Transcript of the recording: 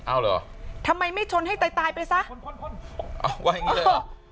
เอาเลยเหรอทำไมไม่ชนให้ตายตายไปซะคนคนคนเอ้าว่าอย่างเงี้ยเหรอ